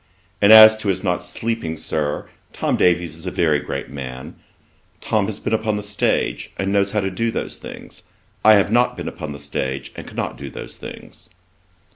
And as to his not sleeping, Sir; Tom Davies is a very great man; Tom has been upon the stage, and knows how to do those things. I have not been upon the stage, and cannot do those things.'